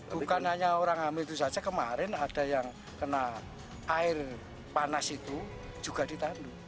bukan hanya orang hamil itu saja kemarin ada yang kena air panas itu juga ditandu